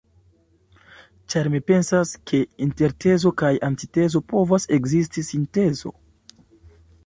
Ĉar mi pensas, ke inter tezo kaj antitezo povas ekzisti sintezo.